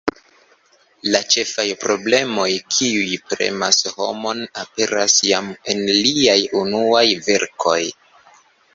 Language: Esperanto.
La ĉefaj problemoj kiuj premas homon aperas jam en liaj unuaj verkoj.